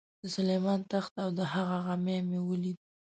د سلیمان تخت او د هغه غمی مې ولید.